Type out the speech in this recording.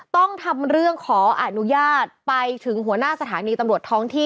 ต้องทำเรื่องขออนุญาตไปถึงหัวหน้าสถานีตำรวจท้องที่